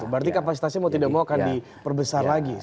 berarti kapasitasnya mau tidak mau akan diperbesar lagi